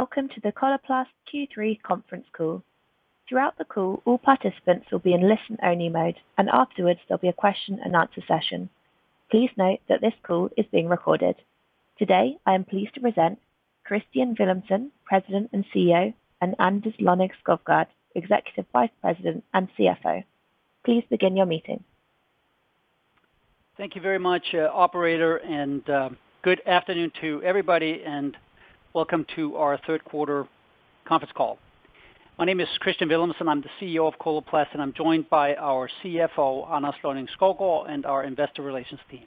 Welcome to the Coloplast Q3 conference call. Throughout the call, all participants will be in listen-only mode, and afterwards there will be a question and answer session. Please note that this call is being recorded. Today, I am pleased to present Kristian Villumsen, President and CEO, and Anders Lonning-Skovgaard, Executive Vice President and CFO. Please begin your meeting. Thank you very much, operator, and good afternoon to everybody, and welcome to our third quarter conference call. My name is Kristian Villumsen, I am the CEO of Coloplast, and I am joined by our CFO, Anders Lonning-Skovgaard, and our investor relations team.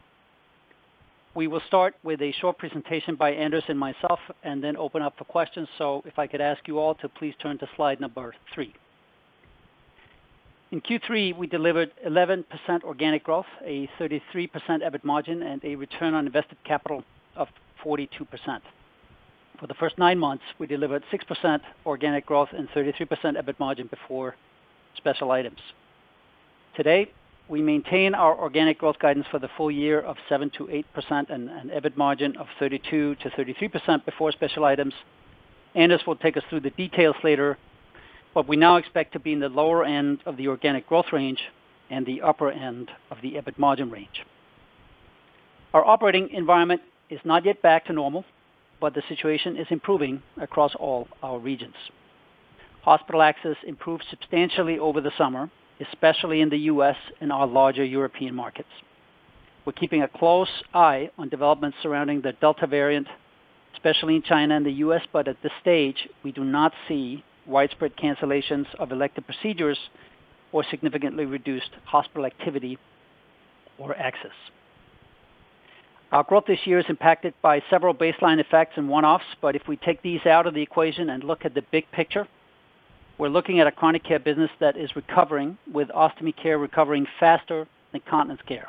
We will start with a short presentation by Anders and myself and then open up for questions. If I could ask you all to please turn to slide number three. In Q3, we delivered 11% organic growth, a 33% EBIT margin, and a return on invested capital of 42%. For the first nine months, we delivered 6% organic growth and 33% EBIT margin before special items. Today, we maintain our organic growth guidance for the full year of 7%-8% and an EBIT margin of 32%-33% before special items. Anders will take us through the details later. We now expect to be in the lower end of the organic growth range and the upper end of the EBIT margin range. Our operating environment is not yet back to normal. The situation is improving across all our regions. Hospital access improved substantially over the summer, especially in the U.S. and our larger European markets. We're keeping a close eye on developments surrounding the Delta variant, especially in China and the U.S., but at this stage, we do not see widespread cancellations of elective procedures or significantly reduced hospital activity or access. Our growth this year is impacted by several baseline effects and one-offs, but if we take these out of the equation and look at the big picture, we're looking at a chronic care business that is recovering, with ostomy care recovering faster than continence care.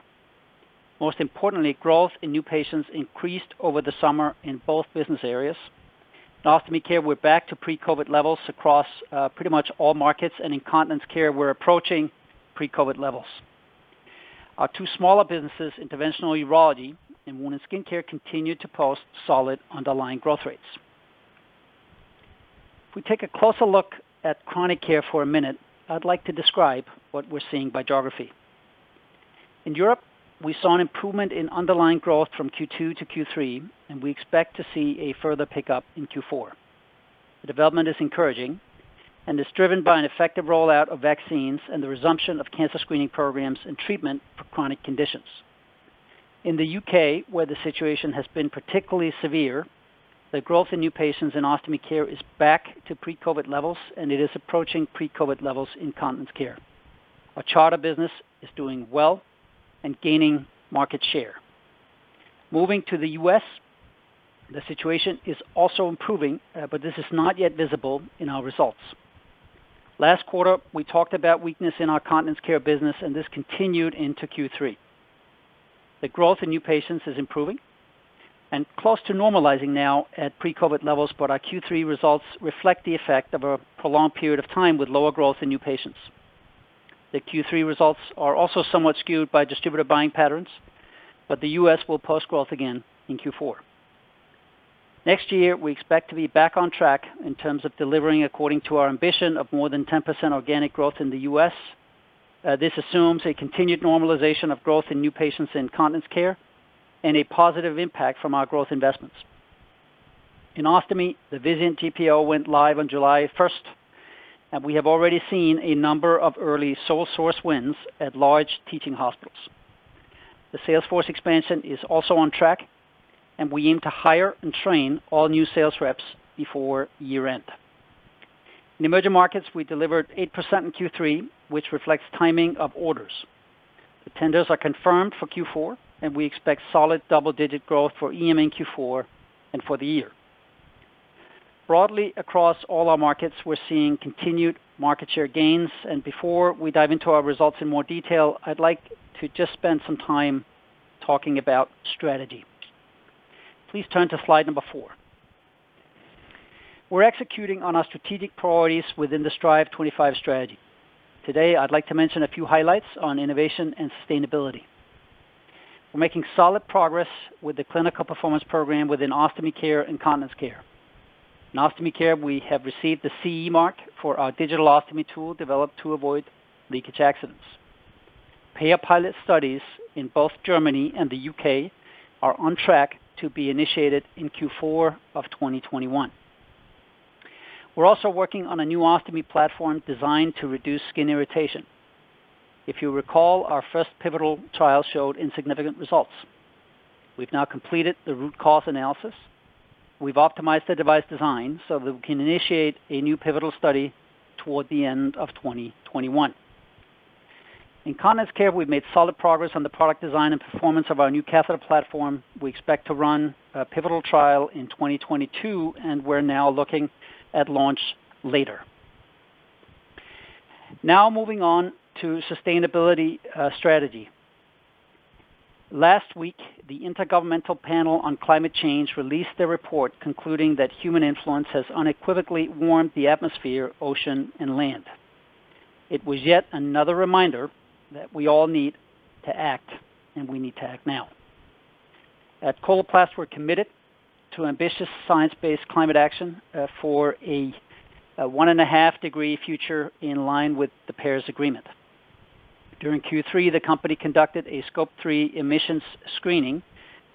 Most importantly, growth in new patients increased over the summer in both business areas. In ostomy care, we're back to pre-COVID levels across pretty much all markets, and in continence care, we're approaching pre-COVID levels. Our two smaller businesses, interventional urology and wound and skincare, continue to post solid underlying growth rates. If we take a closer look at chronic care for a minute, I'd like to describe what we're seeing by geography. In Europe, we saw an improvement in underlying growth from Q2 to Q3, and we expect to see a further pickup in Q4. The development is encouraging and is driven by an effective rollout of vaccines and the resumption of cancer screening programs and treatment for chronic conditions. In the U.K., where the situation has been particularly severe, the growth in new patients in ostomy care is back to pre-COVID levels. It is approaching pre-COVID levels in continence care. Our Charter business is doing well and gaining market share. Moving to the U.S., the situation is also improving. This is not yet visible in our results. Last quarter, we talked about weakness in our continence care business. This continued into Q3. The growth in new patients is improving and close to normalizing now at pre-COVID levels. Our Q3 results reflect the effect of a prolonged period of time with lower growth in new patients. The Q3 results are also somewhat skewed by distributor buying patterns. The U.S. will post growth again in Q4. Next year, we expect to be back on track in terms of delivering according to our ambition of more than 10% organic growth in the U.S. This assumes a continued normalization of growth in new patients in continence care and a positive impact from our growth investments. In ostomy, the Vizient GPO went live on July 1st, and we have already seen a number of early sole source wins at large teaching hospitals. The sales force expansion is also on track, and we aim to hire and train all new sales reps before year-end. In emerging markets, we delivered 8% in Q3, which reflects timing of orders. The tenders are confirmed for Q4, and we expect solid double-digit growth for EM in Q4 and for the year. Broadly across all our markets, we're seeing continued market share gains. Before we dive into our results in more detail, I'd like to just spend some time talking about strategy. Please turn to slide number four. We're executing on our strategic priorities within the Strive25 strategy. Today, I'd like to mention a few highlights on innovation and sustainability. We're making solid progress with the clinical performance program within ostomy care and continence care. In ostomy care, we have received the CE mark for our digital ostomy tool developed to avoid leakage accidents. Payer pilot studies in both Germany and the U.K. are on track to be initiated in Q4 of 2021. We're also working on a new ostomy platform designed to reduce skin irritation. If you recall, our first pivotal trial showed insignificant results. We've now completed the root cause analysis. We've optimized the device design so that we can initiate a new pivotal study toward the end of 2021. In continence care, we've made solid progress on the product design and performance of our new catheter platform. We expect to run a pivotal trial in 2022, and we're now looking at launch later. Moving on to sustainability strategy. Last week, the Intergovernmental Panel on Climate Change released a report concluding that human influence has unequivocally warmed the atmosphere, ocean, and land. It was yet another reminder that we all need to act, and we need to act now. At Coloplast, we're committed to ambitious science-based climate action for a one and a half degree future in line with the Paris Agreement. During Q3, the company conducted a Scope 3 emissions screening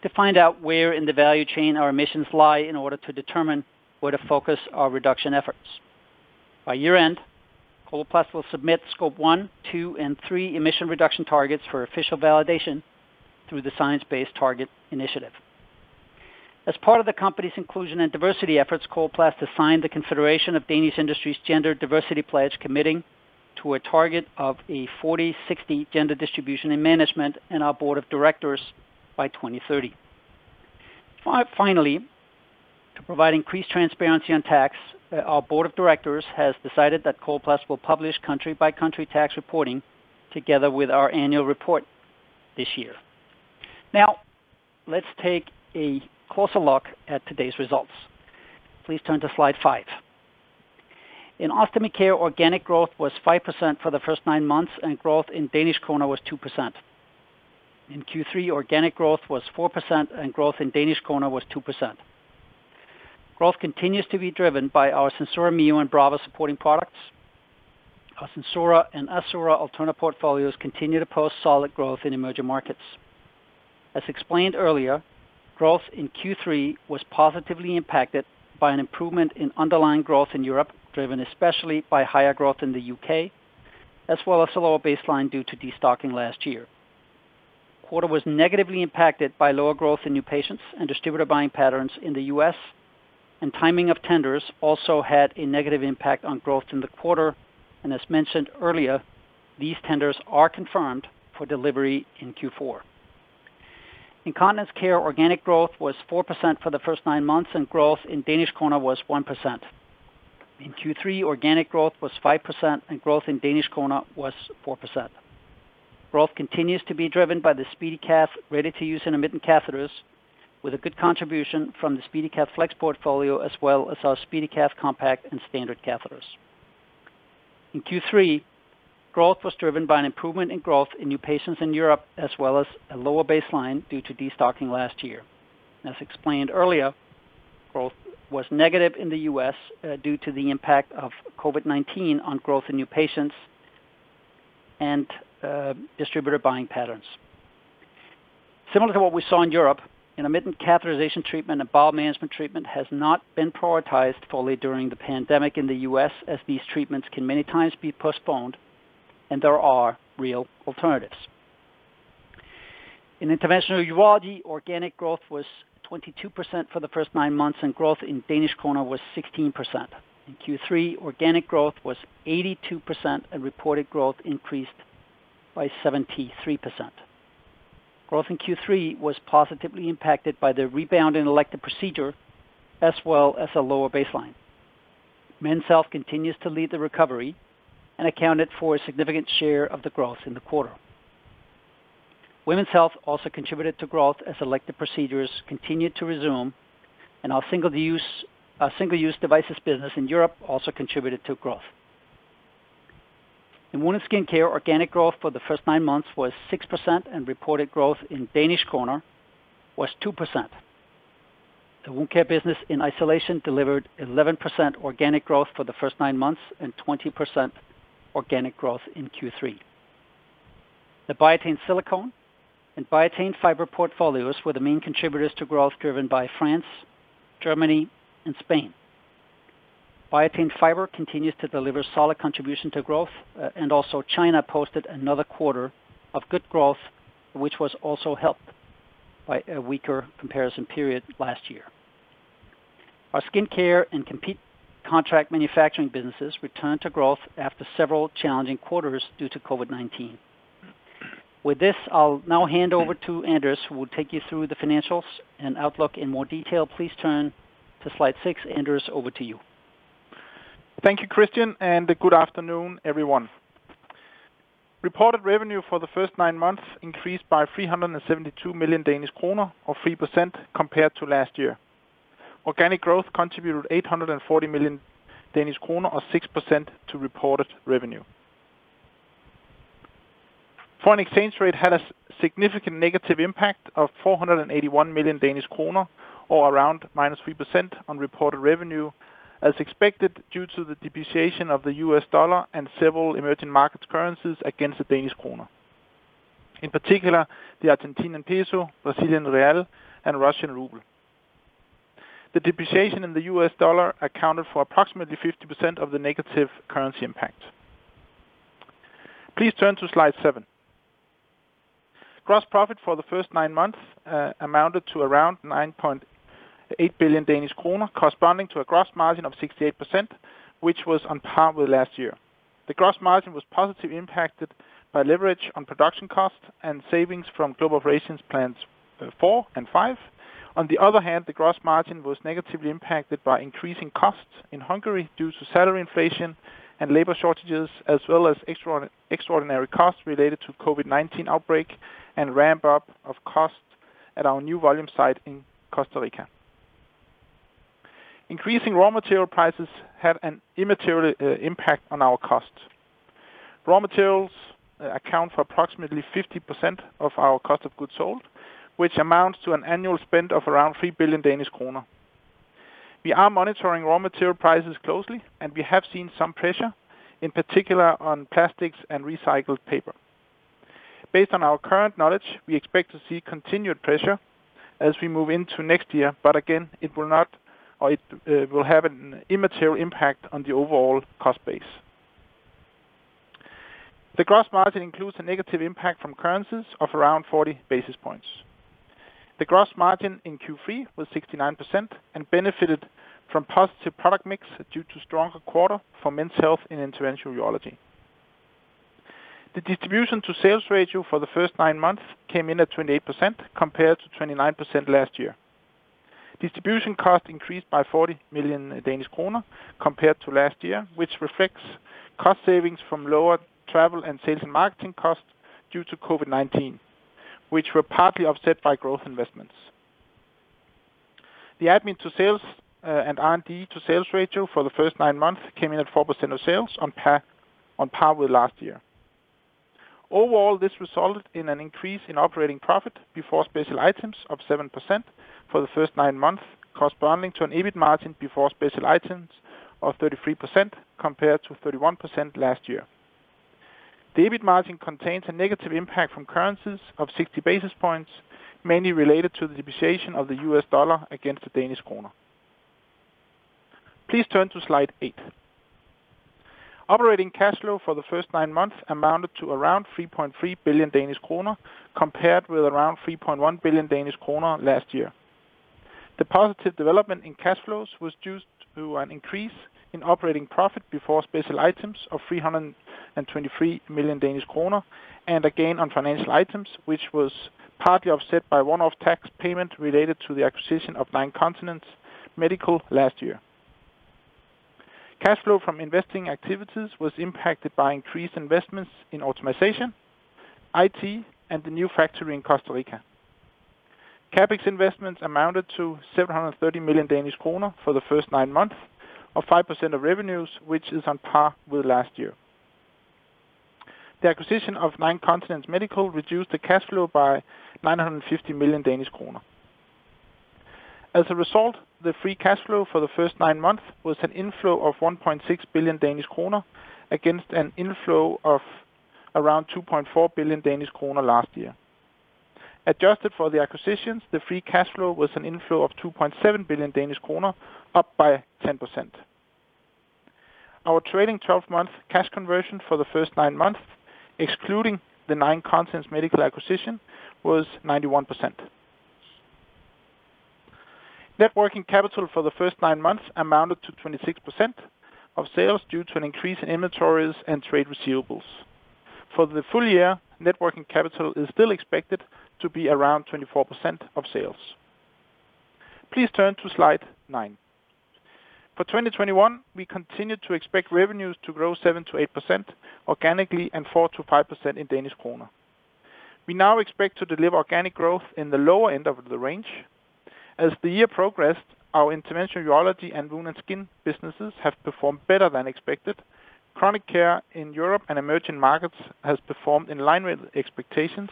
to find out where in the value chain our emissions lie in order to determine where to focus our reduction efforts. By year-end, Coloplast will submit Scope 1, 2, and 3 emission reduction targets for official validation through the Science Based Targets initiative. As part of the company's inclusion and diversity efforts, Coloplast has signed the Confederation of Danish Industry's Gender Diversity Pledge, committing to a target of a 40/60 gender distribution in management and our board of directors by 2030. Finally, to provide increased transparency on tax, our board of directors has decided that Coloplast will publish country-by-country tax reporting together with our annual report this year. Now, let's take a closer look at today's results. Please turn to slide five. In Ostomy Care, organic growth was 5% for the first nine months, and growth in Danish kroner was 2%. In Q3, organic growth was 4%, and growth in Danish kroner was 2%. Growth continues to be driven by our SenSura Mio and Brava supporting products. Our SenSura and Assura Alterna portfolios continue to post solid growth in emerging markets. As explained earlier, growth in Q3 was positively impacted by an improvement in underlying growth in Europe, driven especially by higher growth in the U.K., as well as a lower baseline due to destocking last year. The quarter was negatively impacted by lower growth in new patients and distributor buying patterns in the U.S. Timing of tenders also had a negative impact on growth in the quarter. As mentioned earlier, these tenders are confirmed for delivery in Q4. In Continence Care, organic growth was 4% for the first nine months, and growth in Danish kroner was 1%. In Q3, organic growth was 5%, and growth in Danish kroner was 4%. Growth continues to be driven by the SpeediCath ready-to-use intermittent catheters, with a good contribution from the SpeediCath Flex portfolio, as well as our SpeediCath Compact and standard catheters. In Q3, growth was driven by an improvement in growth in new patients in Europe, as well as a lower baseline due to destocking last year. As explained earlier, growth was negative in the U.S. due to the impact of COVID-19 on growth in new patients and distributor buying patterns. Similar to what we saw in Europe, intermittent catheterization treatment and bowel management treatment has not been prioritized fully during the pandemic in the U.S., as these treatments can many times be postponed, and there are real alternatives. In Interventional Urology, organic growth was 22% for the first nine months, and growth in Danish kroner was 16%. In Q3, organic growth was 82%, and reported growth increased by 73%. Growth in Q3 was positively impacted by the rebound in elected procedure, as well as a lower baseline. Men's Health continues to lead the recovery and accounted for a significant share of the growth in the quarter. Women's Health also contributed to growth as elected procedures continued to resume, and our single-use devices business in Europe also contributed to growth. In Wound & Skin Care, organic growth for the first nine months was 6%, and reported growth in Danish kroner was 2%. The wound care business in isolation delivered 11% organic growth for the first nine months and 20% organic growth in Q3. The Biatain Silicone and Biatain Fiber portfolios were the main contributors to growth driven by France, Germany, and Spain. Biatain Fiber continues to deliver solid contribution to growth, and also China posted another quarter of good growth, which was also helped by a weaker comparison period last year. Our skincare and contract manufacturing businesses returned to growth after several challenging quarters due to COVID-19. With this, I'll now hand over to Anders, who will take you through the financials and outlook in more detail. Please turn to Slide six. Anders, over to you. Thank you, Kristian. Good afternoon, everyone. Reported revenue for the first nine months increased by 372 million Danish kroner, or 3%, compared to last year. Organic growth contributed 840 million Danish kroner, or 6%, to reported revenue. Foreign exchange rate had a significant negative impact of 481 million Danish kroner, or around -3%, on reported revenue, as expected due to the depreciation of the US dollar and several emerging markets currencies against the Danish kroner. In particular, the Argentine peso, Brazilian real, and Russian ruble. The depreciation in the US dollar accounted for approximately 50% of the negative currency impact. Please turn to slide seven. Gross profit for the first nine months amounted to around 9.8 billion Danish kroner, corresponding to a gross margin of 68%, which was on par with last year. The gross margin was positively impacted by leverage on production costs and savings from Global Operations Plan 4 and 5. The gross margin was negatively impacted by increasing costs in Hungary due to salary inflation and labor shortages, as well as extraordinary costs related to COVID-19 outbreak and ramp-up of costs at our new volume site in Costa Rica. Increasing raw material prices had an immaterial impact on our cost. Raw materials account for approximately 50% of our cost of goods sold, which amounts to an annual spend of around 3 billion Danish kroner. We are monitoring raw material prices closely, and we have seen some pressure, in particular on plastics and recycled paper. Based on our current knowledge, we expect to see continued pressure as we move into next year, again, it will have an immaterial impact on the overall cost base. The gross margin includes a negative impact from currencies of around 40 basis points. The gross margin in Q3 was 69% and benefited from positive product mix due to stronger quarter for Men's Health and Interventional Urology. The distribution to sales ratio for the first nine months came in at 28%, compared to 29% last year. Distribution cost increased by 40 million Danish kroner compared to last year, which reflects cost savings from lower travel and sales and marketing costs due to COVID-19, which were partly offset by growth investments. The admin to sales and R&D to sales ratio for the first nine months came in at 4% of sales on par with last year. Overall, this resulted in an increase in operating profit before special items of 7% for the first nine months, corresponding to an EBIT margin before special items of 33% compared to 31% last year. The EBIT margin contains a negative impact from currencies of 60 basis points, mainly related to the depreciation of the US dollar against the Danish krone. Please turn to slide eight. Operating cash flow for the first nine months amounted to around 3.3 billion Danish kroner, compared with around 3.1 billion Danish kroner last year. The positive development in cash flows was due to an increase in operating profit before special items of 323 million Danish kroner and a gain on financial items, which was partly offset by one-off tax payment related to the acquisition of Nine Continents Medical last year. Cash flow from investing activities was impacted by increased investments in automatization, IT, and the new factory in Costa Rica. CapEx investments amounted to 730 million Danish kroner for the first nine months, or 5% of revenues, which is on par with last year. The acquisition of Nine Continents Medical reduced the cash flow by 950 million Danish kroner. As a result, the free cash flow for the first nine months was an inflow of 1.6 billion Danish kroner against an inflow of around 2.4 billion Danish kroner last year. Adjusted for the acquisitions, the free cash flow was an inflow of 2.7 billion Danish kroner, up by 10%. Our trailing 12-month cash conversion for the first nine months, excluding the Nine Continents Medical acquisition, was 91%. Net working capital for the first nine months amounted to 26% of sales due to an increase in inventories and trade receivables. For the full year, net working capital is still expected to be around 24% of sales. Please turn to slide nine. For 2021, we continued to expect revenues to grow 7%-8% organically and 4%-5% in DKK. We now expect to deliver organic growth in the lower end of the range. As the year progressed, our Interventional Urology and Wound and Skin businesses have performed better than expected. Chronic Care in Europe and emerging markets has performed in line with expectations,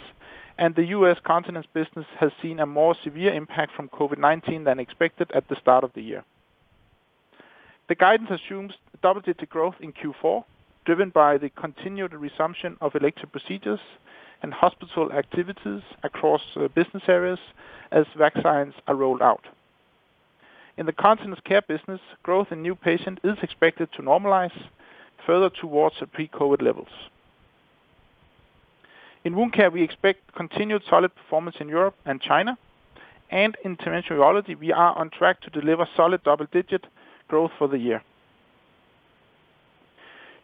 and the U.S. Continence business has seen a more severe impact from COVID-19 than expected at the start of the year. The guidance assumes double-digit growth in Q4, driven by the continued resumption of elective procedures and hospital activities across the business areas as vaccines are rolled out. In the Continence Care business, growth in new patients is expected to normalize further towards the pre-COVID levels. In Wound Care, we expect continued solid performance in Europe and China. Interventional Urology, we are on track to deliver solid double-digit growth for the year.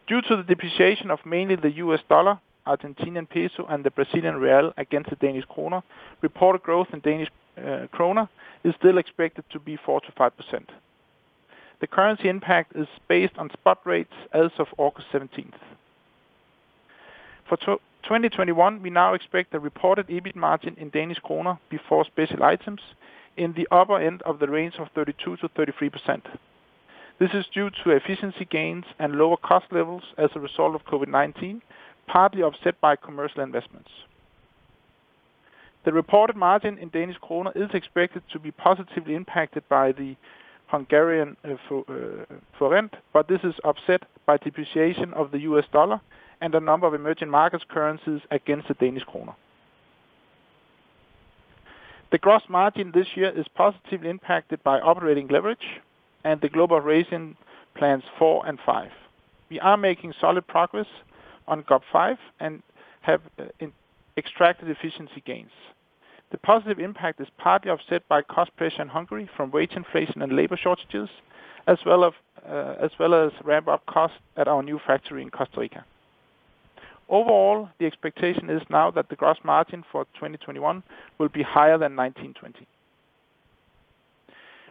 Due to the depreciation of mainly the US dollar, Argentinian peso, and the Brazilian real against the Danish krone, reported growth in Danish krone is still expected to be 4%-5%. The currency impact is based on spot rates as of August 17th. For 2021, we now expect the reported EBIT margin in Danish krone before special items in the upper end of the range of 32%-33%. This is due to efficiency gains and lower cost levels as a result of COVID-19, partly offset by commercial investments. The reported margin in Danish krone is expected to be positively impacted by the Hungarian forint, this is offset by depreciation of the US dollar and the number of emerging markets currencies against the Danish krone. The gross margin this year is positively impacted by operating leverage and the Global Operations Plan 4 and 5. We are making solid progress on GOP 5 and have extracted efficiency gains. The positive impact is partly offset by cost pressure in Hungary from wage inflation and labor shortages, as well as ramp-up costs at our new factory in Costa Rica. Overall, the expectation is now that the gross margin for 2021 will be higher than 19/20.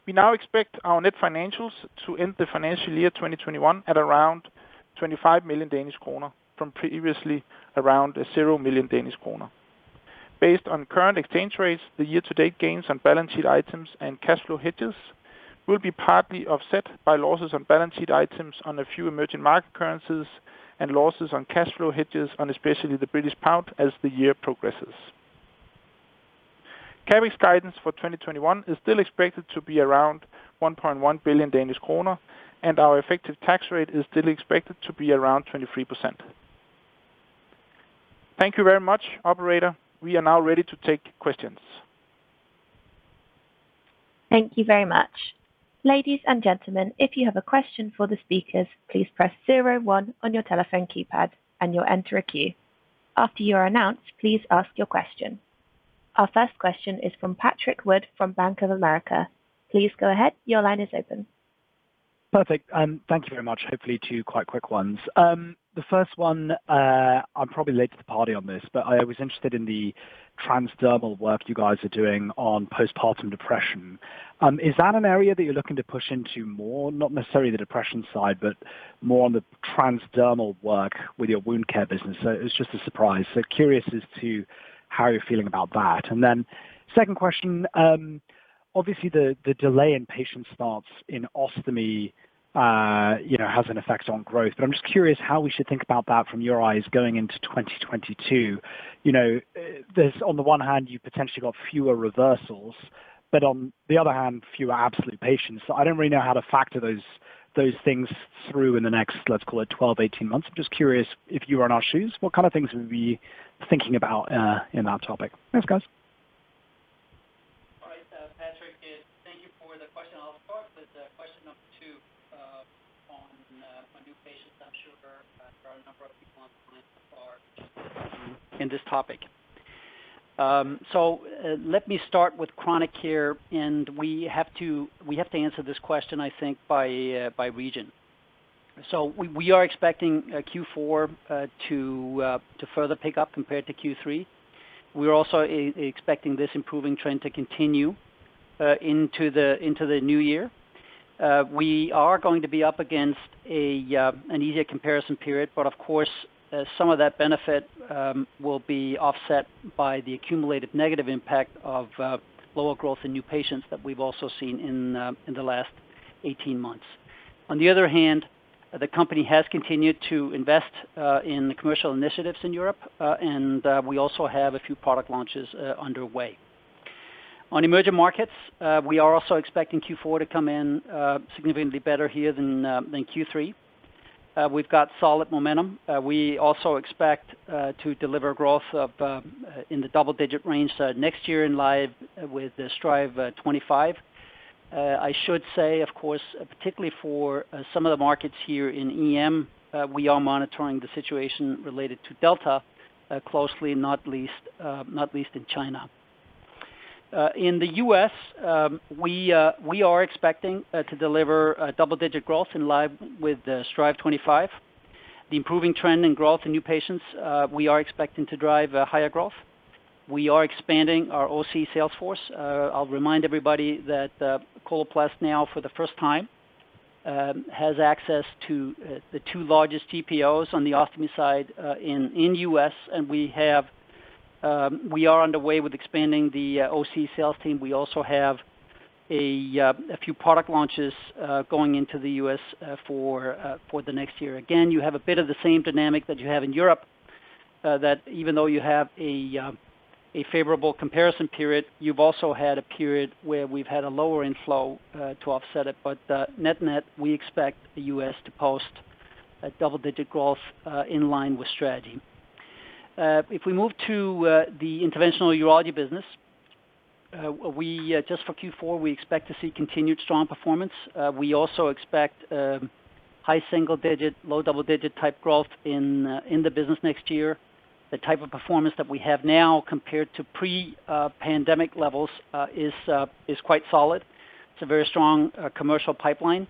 We now expect our net financials to end the financial year 2021 at around 25 million Danish kroner from previously around 0 million Danish kroner. Based on current exchange rates, the year-to-date gains on balance sheet items and cash flow hedges will be partly offset by losses on balance sheet items on a few emerging market currencies and losses on cash flow hedges on especially the British pound as the year progresses. Coloplast's guidance for 2021 is still expected to be around 1.1 billion Danish kroner, and our effective tax rate is still expected to be around 23%. Thank you very much, operator. We are now ready to take questions. Thank you very much. Ladies and gentlemen, if you have a question for the speakers, please press 01 on your telephone keypad and you'll enter a queue. After you are announced, please ask your question. Our first question is from Patrick Wood from Bank of America. Perfect. Thank you very much. Hopefully two quite quick ones. The first one, I'm probably late to the party on this, but I was interested in the transdermal work you guys are doing on postpartum depression. Is that an area that you're looking to push into more? Not necessarily the depression side, but more on the transdermal work with your wound care business. It was just a surprise. Curious as to how you're feeling about that. Second question, obviously the delay in patient starts in ostomy has an effect on growth, but I'm just curious how we should think about that from your eyes going into 2022. There's on the one hand, you potentially got fewer reversals, but on the other hand, fewer absolute patients. I don't really know how to factor those things through in the next, let's call it 12, 18 months. I'm just curious if you were in our shoes, what kind of things would we be thinking about in that topic? Thanks, guys. All right, Patrick. Thank you for the question. I'll start with the question of two on new patients. I'm sure there are a number of people on the call that are interested in this topic. Let me start with chronic care. We have to answer this question, I think, by region. We are expecting Q4 to further pick up compared to Q3. We're also expecting this improving trend to continue into the new year. We are going to be up against an easier comparison period. Of course, some of that benefit will be offset by the accumulated negative impact of lower growth in new patients that we've also seen in the last 18 months. On the other hand, the company has continued to invest in the commercial initiatives in Europe. We also have a few product launches underway. On emerging markets, we are also expecting Q4 to come in significantly better here than Q3. We've got solid momentum. We also expect to deliver growth up in the double-digit range next year in line with the Strive25. I should say, of course, particularly for some of the markets here in EM, we are monitoring the situation related to Delta closely, not least in China. In the U.S., we are expecting to deliver double-digit growth in line with the Strive25. The improving trend in growth in new patients, we are expecting to drive higher growth. We are expanding our OC sales force. I'll remind everybody that Coloplast now for the first time has access to the two largest GPOs on the ostomy side in U.S., and we are on the way with expanding the OC sales team. We also have a few product launches going into the U.S. for the next year. You have a bit of the same dynamic that you have in Europe, that even though you have a favorable comparison period, you've also had a period where we've had a lower inflow to offset it. Net-net, we expect the U.S. to post a double-digit growth in line with strategy. If we move to the interventional urology business, just for Q4, we expect to see continued strong performance. We also expect high single-digit, low double-digit type growth in the business next year. The type of performance that we have now compared to pre-pandemic levels is quite solid. It's a very strong commercial pipeline.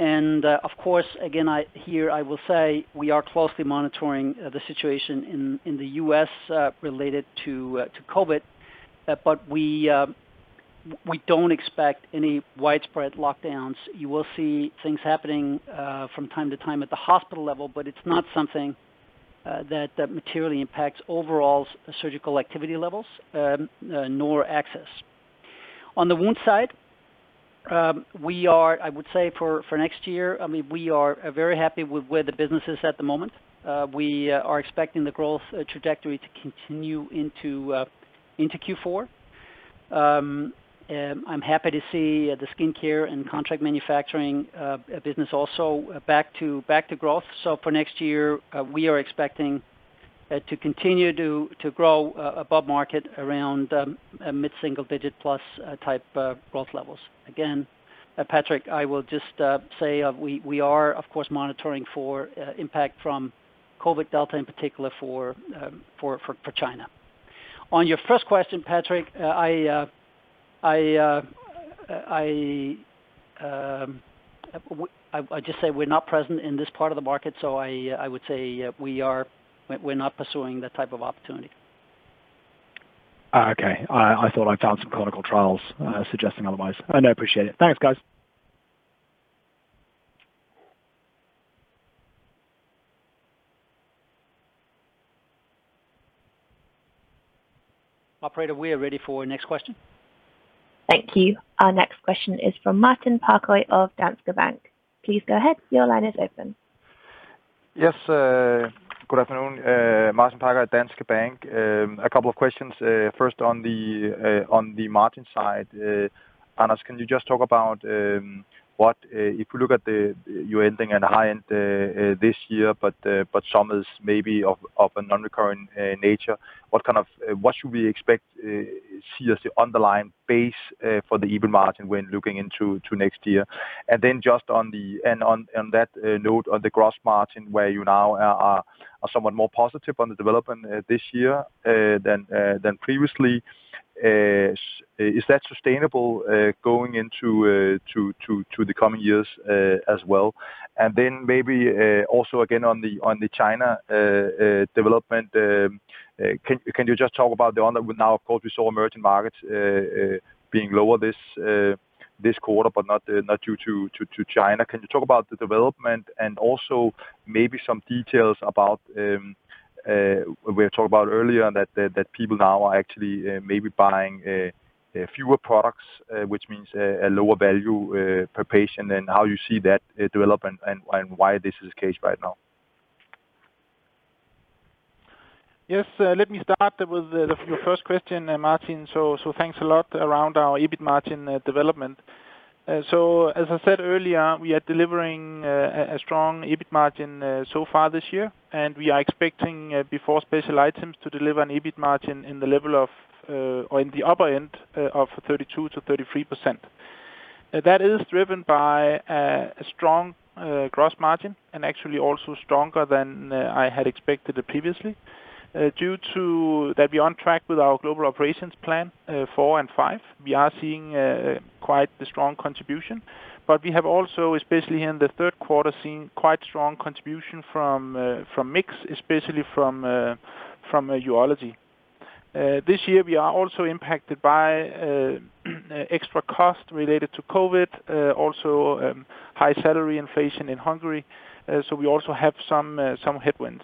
Of course, again, here I will say we are closely monitoring the situation in the U.S. related to COVID, but we don't expect any widespread lockdowns. You will see things happening from time to time at the hospital level, but it's not something that materially impacts overall surgical activity levels nor access. On the wound side, I would say for next year, we are very happy with where the business is at the moment. We are expecting the growth trajectory to continue into Q4. I'm happy to see the skincare and contract manufacturing business also back to growth. For next year, we are expecting to continue to grow above market around mid-single digit plus type growth levels. Again, Patrick, I will just say we are, of course, monitoring for impact from COVID Delta in particular for China. On your first question, Patrick, I just say we're not present in this part of the market, so I would say we're not pursuing that type of opportunity. Okay. I thought I found some clinical trials suggesting otherwise. No, I appreciate it. Thanks, guys. Operator, we are ready for our next question. Thank you. Our next question is from Martin Parkhøi of Danske Bank. Please go ahead. Your line is open. Yes. Good afternoon, Martin Parkhøi at Danske Bank. A couple of questions. First on the margin side. Anders, can you just talk about, you are ending at a high end this year, but some is maybe of a non-recurrent nature. What should we expect to see as the underlying base for the EBIT margin when looking into next year? Just on that note, on the gross margin, where you now are somewhat more positive on the development this year than previously. Is that sustainable going into the coming years as well? Maybe, also again on the China development, can you just talk about the one that now, of course, we saw emerging markets being lower this quarter, but not due to China. Can you talk about the development and also maybe some details about, we were talking about earlier that people now are actually maybe buying fewer products, which means a lower value per patient, and how you see that development and why this is the case right now? Yes. Let me start with your first question, Martin. Thanks a lot around our EBIT margin development. As I said earlier, we are delivering a strong EBIT margin so far this year, and we are expecting, before special items, to deliver an EBIT margin in the upper end of 32%-33%. That is driven by a strong gross margin, and actually also stronger than I had expected previously. Due to that, we are on track with our Global Operations Plan 4 and 5. We are seeing quite the strong contribution. We have also, especially in the third quarter, seen quite strong contribution from mix, especially from Urology. This year, we are also impacted by extra cost related to COVID, also high salary inflation in Hungary. We also have some headwinds.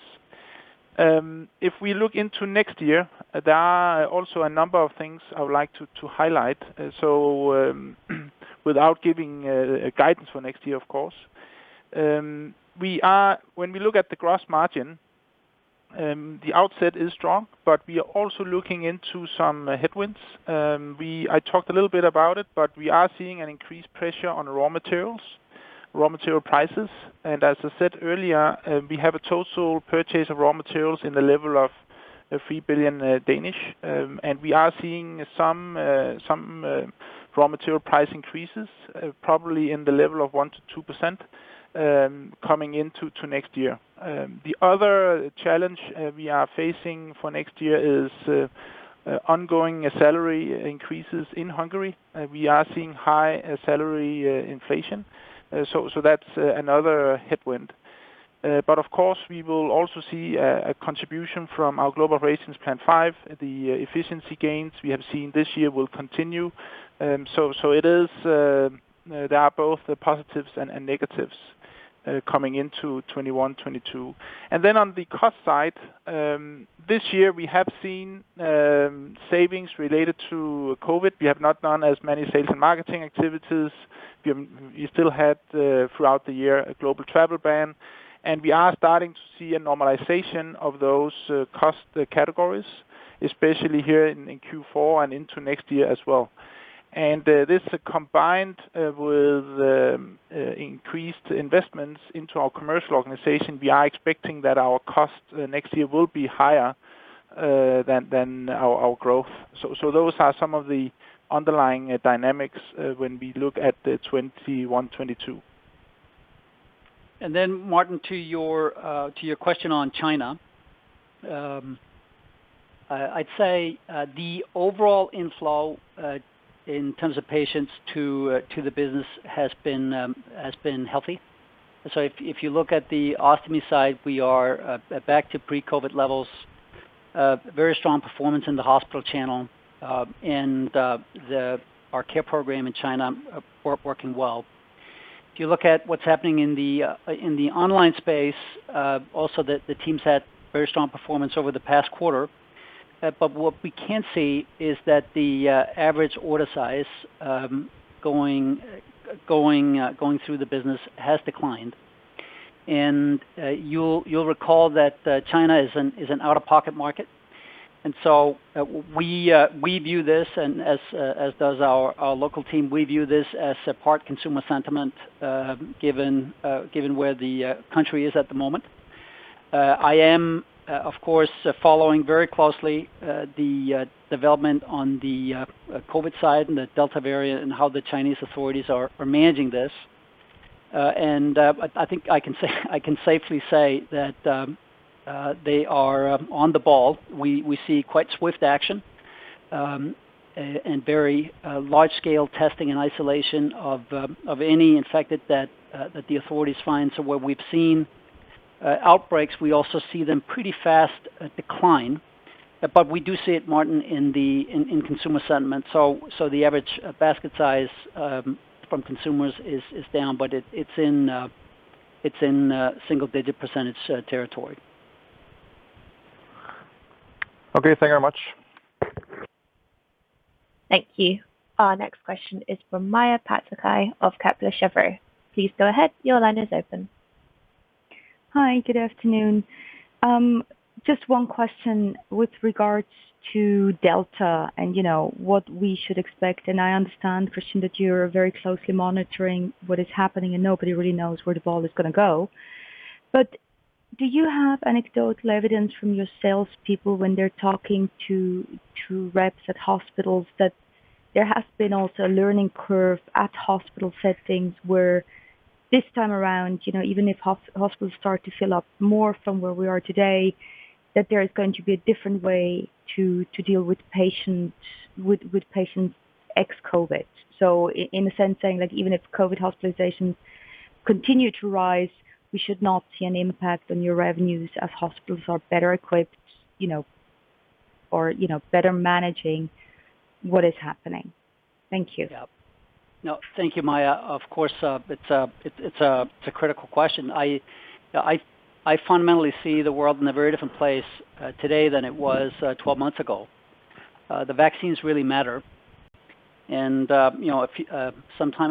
If we look into next year, there are also a number of things I would like to highlight. Without giving guidance for next year, of course. When we look at the gross margin, the outset is strong, but we are also looking into some headwinds. I talked a little bit about it, but we are seeing an increased pressure on raw materials, raw material prices. As I said earlier, we have a total purchase of raw materials in the level of 3 billion. We are seeing some raw material price increases, probably in the level of 1%-2%, coming into next year. The other challenge we are facing for next year is ongoing salary increases in Hungary. We are seeing high salary inflation. That's another headwind. Of course, we will also see a contribution from our Global Operations Plan 5, the efficiency gains we have seen this year will continue. On the cost side, this year we have seen savings related to COVID. We have not done as many sales and marketing activities. We still had, throughout the year, a global travel ban. We are starting to see a normalization of those cost categories, especially here in Q4 and into next year as well. This combined with increased investments into our commercial organization, we are expecting that our cost next year will be higher than our growth. Those are some of the underlying dynamics when we look at the 2021/2022. Martin, to your question on China. I’d say the overall inflow in terms of patients to the business has been healthy. If you look at the ostomy side, we are back to pre-COVID-19 levels. Very strong performance in the hospital channel, and our care program in China working well. If you look at what’s happening in the online space, also the teams had very strong performance over the past quarter. What we can see is that the average order size going through the business has declined. You’ll recall that China is an out-of-pocket market. We view this, and as does our local team, we view this as a part consumer sentiment, given where the country is at the moment. I am, of course, following very closely the development on the COVID side and the Delta variant and how the Chinese authorities are managing this. I think I can safely say that they are on the ball. We see quite swift action, and very large-scale testing and isolation of any infected that the authorities find. Where we've seen outbreaks, we also see them pretty fast decline. We do see it, Martin, in consumer sentiment. The average basket size from consumers is down, but it's in single-digit percentage territory. Okay. Thank you very much. Thank you. Our next question is from Maja Pataki of Kepler Cheuvreux. Please go ahead. Your line is open. Hi, good afternoon. Just one question with regards to Delta and what we should expect. I understand, Kristian, that you're very closely monitoring what is happening, and nobody really knows where the ball is going to go. Do you have anecdotal evidence from your salespeople when they're talking to reps at hospitals that there has been also a learning curve at hospital settings where this time around, even if hospitals start to fill up more from where we are today, that there is going to be a different way to deal with patients ex-COVID. In a sense, saying that even if COVID hospitalizations continue to rise, we should not see an impact on your revenues as hospitals are better equipped, or better managing what is happening. Thank you. No, thank you, Maja. Of course, it's a critical question. I fundamentally see the world in a very different place today than it was 12 months ago. The vaccines really matter. Sometime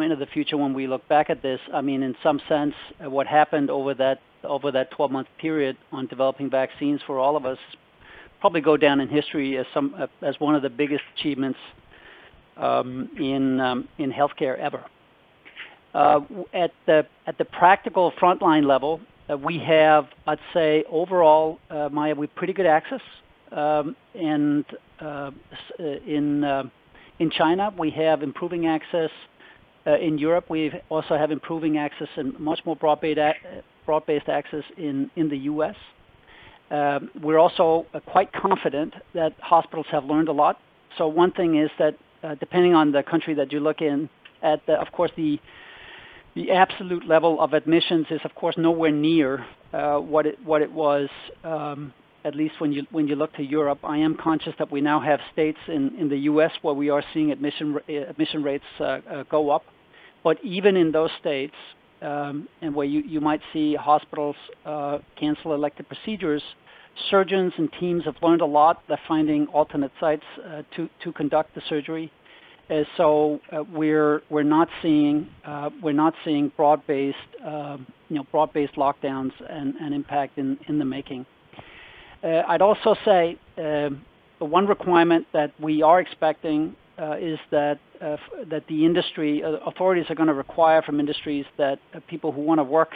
into the future when we look back at this, in some sense, what happened over that 12-month period on developing vaccines for all of us will probably go down in history as one of the biggest achievements in healthcare ever. At the practical frontline level, we have, I'd say, overall, Maja, we've pretty good access. In China, we have improving access. In Europe, we also have improving access and much more broad-based access in the U.S. We're also quite confident that hospitals have learned a lot. One thing is that, depending on the country that you look in, of course, the absolute level of admissions is nowhere near what it was, at least when you look to Europe. I am conscious that we now have states in the U.S. where we are seeing admission rates go up. Even in those states, and where you might see hospitals cancel elective procedures, surgeons and teams have learned a lot. They're finding alternate sites to conduct the surgery. We're not seeing broad-based lockdowns and impact in the making. I'd also say the one requirement that we are expecting is that authorities are going to require from industries that people who want to work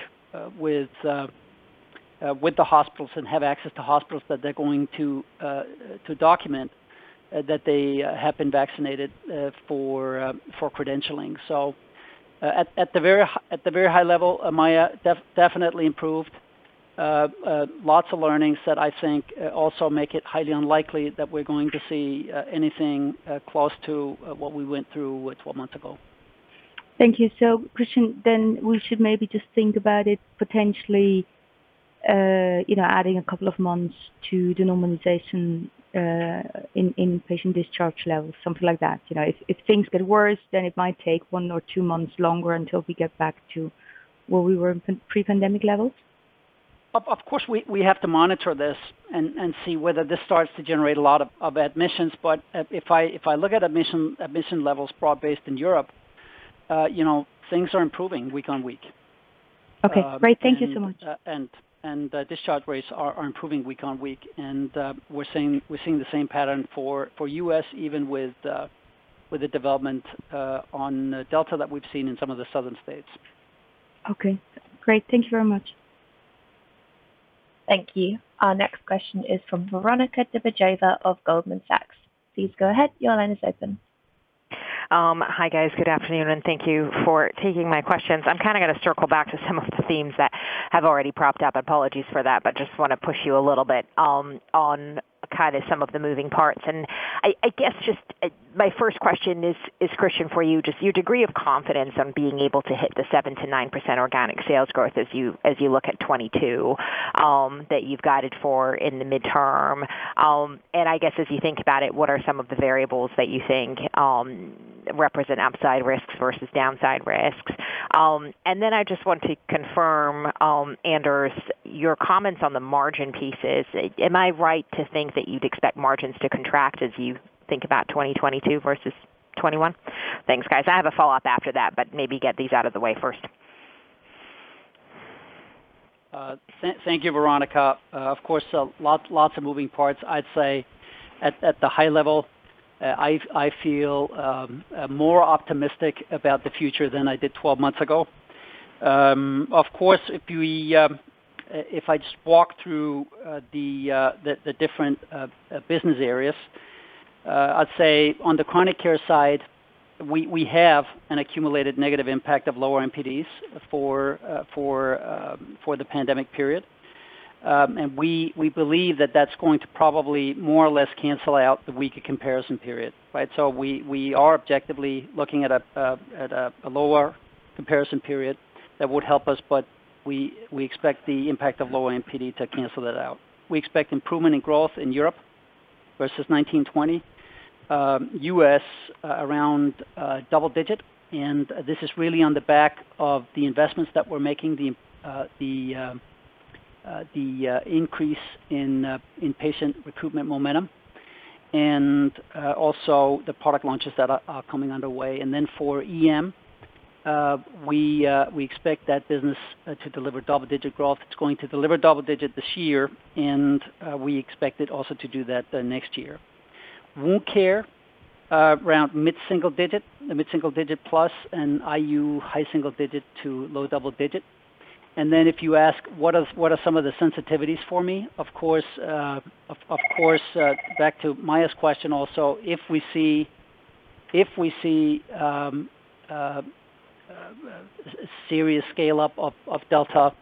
with the hospitals and have access to hospitals, that they're going to document that they have been vaccinated for credentialing. At the very high level, Maja, definitely improved. Lots of learnings that I think also make it highly unlikely that we're going to see anything close to what we went through 12 months ago. Thank you. Kristian, then we should maybe just think about it potentially adding a couple of months to the normalization in patient discharge levels, something like that. If things get worse, then it might take one or two months longer until we get back to where we were in pre-pandemic levels? Of course, we have to monitor this and see whether this starts to generate a lot of admissions. If I look at admission levels broad-based in Europe, things are improving week on week. Okay, great. Thank you so much. Discharge rates are improving week on week. We're seeing the same pattern for U.S., even with the development on Delta that we've seen in some of the southern states. Okay, great. Thank you very much. Thank you. Our next question is from Veronika Dubajova of Goldman Sachs. Please go ahead. Your line is open. Hi, guys. Good afternoon, and thank you for taking my questions. I'm kind of going to circle back to some of the themes that have already propped up. Apologies for that, just want to push you a little bit on some of the moving parts. I guess just my first question is, Kristian, for you, just your degree of confidence on being able to hit the 7%-9% organic sales growth as you look at 2022 that you've guided for in the midterm. I guess as you think about it, what are some of the variables that you think represent upside risks versus downside risks? I just want to confirm, Anders, your comments on the margin pieces. Am I right to think that you'd expect margins to contract as you think about 2022 versus 2021? Thanks, guys. I have a follow-up after that, but maybe get these out of the way first. Thank you, Veronika. Of course, lots of moving parts. I'd say at the high level, I feel more optimistic about the future than I did 12 months ago. Of course, if I just walk through the different business areas, I'd say on the chronic care side, we have an accumulated negative impact of lower NPDs for the pandemic period. We believe that that's going to probably more or less cancel out the weaker comparison period, right? We are objectively looking at a lower comparison period that would help us, but we expect the impact of lower NPD to cancel that out. We expect improvement in growth in Europe versus 2019/2020. U.S. around double digit. This is really on the back of the investments that we're making, the increase in patient recruitment momentum, and also the product launches that are coming underway. For EM, we expect that business to deliver double-digit growth. It's going to deliver double digit this year, and we expect it also to do that next year. Wound care, around mid-single digit, mid-single digit plus, and IU high single digit to low double digit. If you ask, what are some of the sensitivities for me, of course, back to Maja's question also, if we see a serious scale-up of Delta,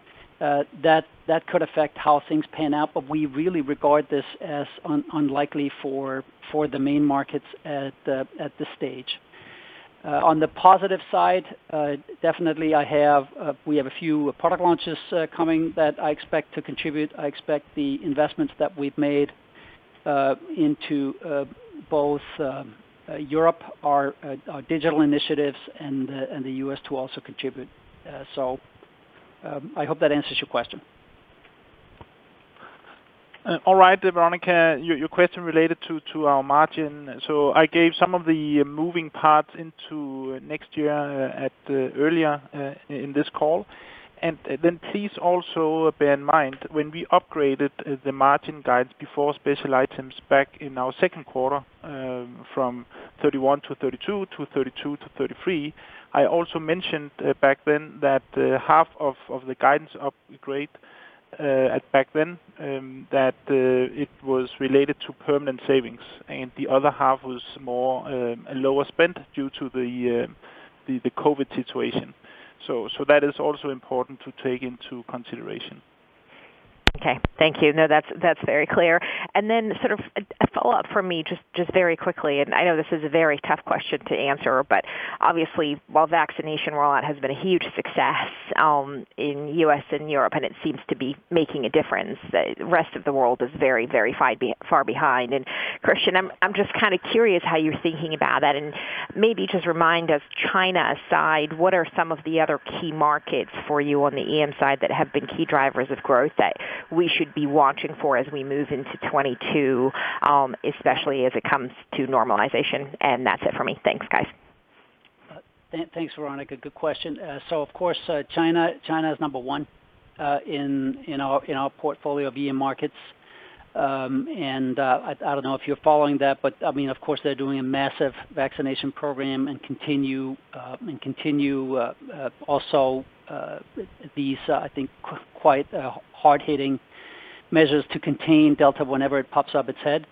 that could affect how things pan out, but we really regard this as unlikely for the main markets at this stage. On the positive side, definitely we have a few product launches coming that I expect to contribute. I expect the investments that we've made into both Europe, our digital initiatives, and the U.S. to also contribute. I hope that answers your question. All right, Veronika, your question related to our margin. I gave some of the moving parts into next year earlier in this call. Please also bear in mind, when we upgraded the margin guides before special items back in our second quarter, from 31%-32% to 32%-33%, I also mentioned back then that half of the guidance upgrade back then, that it was related to permanent savings, and the other half was a lower spend due to the COVID situation. That is also important to take into consideration. Okay. Thank you. That's very clear. Then sort of a follow-up from me, just very quickly, I know this is a very tough question to answer, but obviously, while vaccination rollout has been a huge success in the U.S. and Europe, and it seems to be making a difference, the rest of the world is very far behind. Kristian, I'm just kind of curious how you're thinking about that, and maybe just remind us, China aside, what are some of the other key markets for you on the EM side that have been key drivers of growth that we should be watching for as we move into 2022, especially as it comes to normalization? That's it for me. Thanks, guys. Thanks, Veronika. Good question. Of course, China is number one in our portfolio of EM markets. I don't know if you're following that, but of course, they're doing a massive vaccination program, and continue also these, I think, quite hard-hitting measures to contain Delta whenever it pops up its head.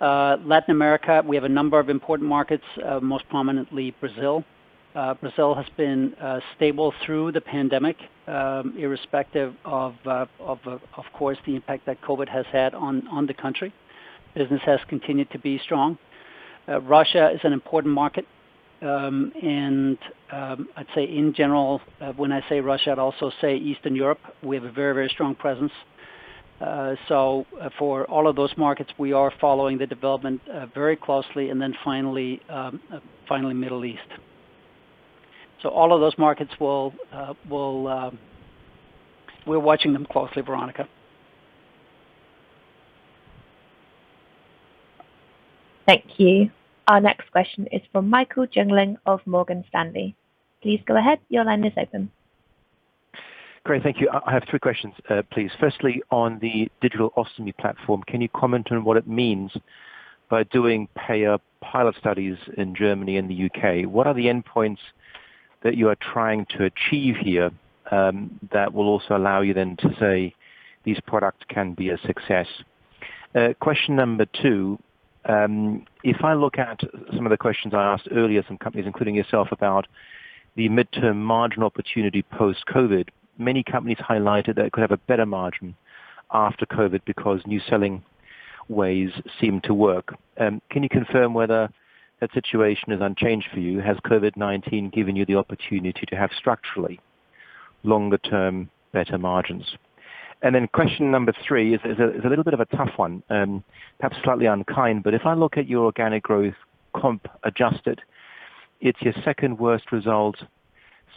Latin America, we have a number of important markets, most prominently Brazil. Brazil has been stable through the pandemic, irrespective of course, the impact that COVID-19 has had on the country. Business has continued to be strong. Russia is an important market. I'd say in general, when I say Russia, I'd also say Eastern Europe, we have a very strong presence. For all of those markets, we are following the development very closely. Finally, Middle East. All of those markets, we're watching them closely, Veronika. Thank you. Our next question is from Michael Jüngling of Morgan Stanley. Please go ahead. Your line is open. Great. Thank you. I have three questions, please. Firstly, on the digital ostomy platform, can you comment on what it means by doing payer pilot studies in Germany and the U.K.? What are the endpoints that you are trying to achieve here that will also allow you then to say these products can be a success? Question number two, if I look at some of the questions I asked earlier, some companies, including yourself, about the midterm margin opportunity post-COVID-19, many companies highlighted they could have a better margin after COVID-19 because new selling ways seem to work. Can you confirm whether that situation is unchanged for you? Has COVID-19 given you the opportunity to have structurally longer-term, better margins? Question number three is a little bit of a tough one, perhaps slightly unkind, but if I look at your organic growth comp adjusted, it's your second-worst result